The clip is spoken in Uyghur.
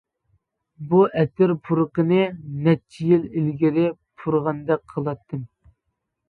بۇ ئەتىر پۇرىقىنى نەچچە يىل ئىلگىرى پۇرىغاندەك قىلاتتىم.